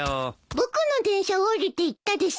僕の電車降りていったです。